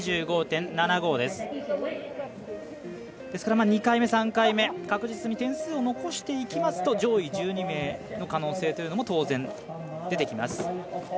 ですから、２回目、３回目確実に点数を残していきますと上位１２名の可能性というのも当然出てきます。